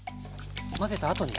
混ぜたあとに？